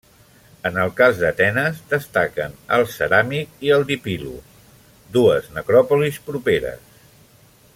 En el cas d'Atenes destaquen el Ceràmic i el Dipilo, dues necròpolis properes.